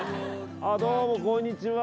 どうもこんにちは。